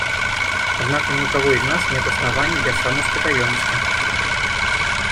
Однако ни у кого из нас нет оснований для самоуспокоенности.